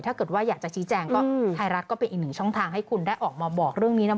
ถ้าเกิดว่าอยากจะชี้แจงก็ไทยรัฐก็เป็นอีกหนึ่งช่องทางให้คุณได้ออกมาบอกเรื่องนี้นะ